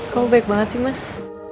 kau baik banget sih mas